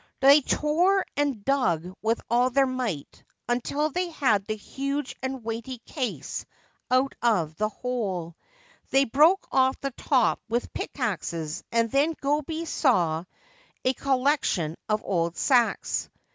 They tore and dug with all their might, until they had the huge and weighty case out of the hole. They broke off the top with pickaxes, and then Gobei saw a 349 Ancient Tales and Folklore of Japan collection of old sacks.